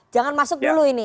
jangan masuk dulu ini